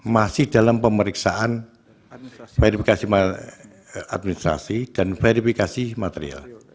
masih dalam pemeriksaan verifikasi administrasi dan verifikasi material